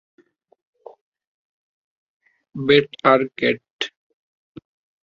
Bat আর cat.